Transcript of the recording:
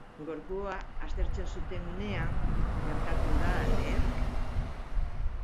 Gorpua aztertzen zuten unean gertatu da leherketa.